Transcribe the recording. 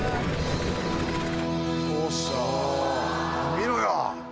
見ろよ！